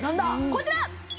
こちら！